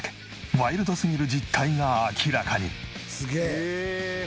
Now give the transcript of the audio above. ワイルドすぎる実態が明らかに。